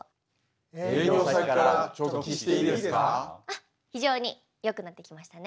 あっ非常に良くなってきましたね。